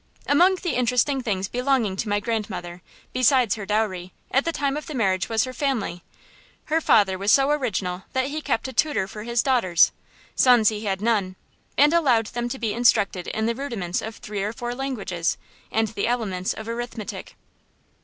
Among the interesting things belonging to my grandmother, besides her dowry, at the time of the marriage, was her family. Her father was so original that he kept a tutor for his daughters sons he had none and allowed them to be instructed in the rudiments of three or four languages and the elements of arithmetic.